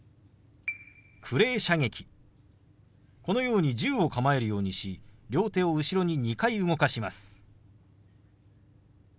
このように銃を構えるようにし両手を後ろに２回動かします。